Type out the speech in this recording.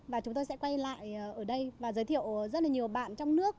và chúng tôi sẽ quay lại ở đây và giới thiệu rất là nhiều bạn trong nước